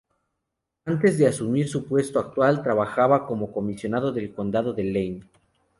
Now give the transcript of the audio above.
Antes de asumir su puesto actual trabajaba como comisionado del Condado de Lane.